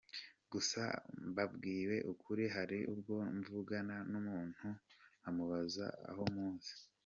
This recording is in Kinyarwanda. Gusa mbabwije ukuri hari ubwo mvugana n’umuntu nkamubaza aho muzi.